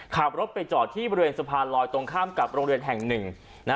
ขับรถไปจอดที่บริเวณสะพานลอยตรงข้ามกับโรงเรียนแห่งหนึ่ง